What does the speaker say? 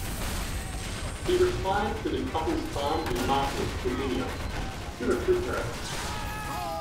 He retired to the couple's farm in Marshall, Virginia, to recuperate.